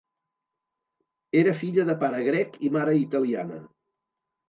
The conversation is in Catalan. Era filla de pare grec i mare italiana.